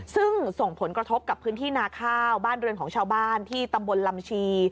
ซึ่งส่งผลกระทบกับพื้นที่นาข้าวบ้านเรือนของชาวบ้านที่ตำบลลำชี